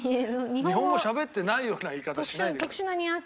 日本語しゃべってないような言い方しないでよ。